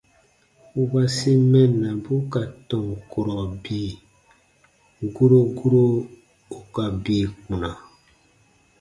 - wasi mɛnnabu ka tɔn kurɔ bii : guro guro ù ka bii kpuna.